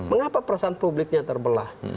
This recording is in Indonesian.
mengapa perasaan publiknya terbelah